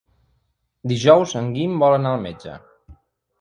Dijous en Guim vol anar al metge.